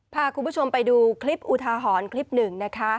พาคุณผู้ชมไปดูคลิปอุทาหรณ์คลิปหนึ่งนะคะ